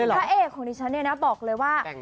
พระเอกของดิฉันเนี่ยนะบอกเลยว่า